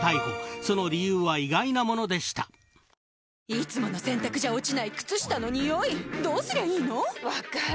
いつもの洗たくじゃ落ちない靴下のニオイどうすりゃいいの⁉分かる。